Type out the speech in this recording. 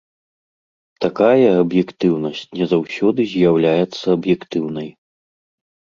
Такая аб'ектыўнасць не заўсёды з'яўляецца аб'ектыўнай.